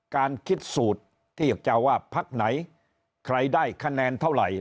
การคิดสูตรที่จะว่าพักไหนใครได้คะแนนเท่าไหร่